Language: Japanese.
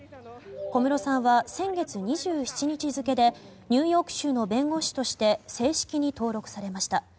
小室さんは先月２７日付でニューヨーク州の弁護士として正式に登録されました。